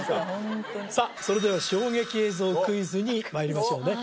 ホントにさあそれでは衝撃映像クイズにまいりましょうね